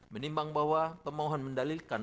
menimbang bahwa pemohon mendalilkan